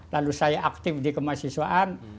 lalu saya aktif di kemahasiswaan